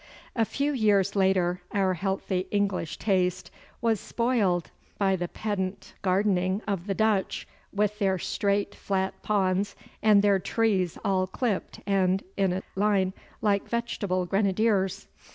A few years later our healthy English taste was spoiled by the pedant gardening of the Dutch with their straight flat ponds, and their trees all clipped and in a line like vegetable grenadiers.